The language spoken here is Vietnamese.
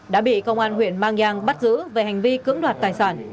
đã bị công an huyện mang giang bắt giữ về hành vi cưỡng đoạt tài sản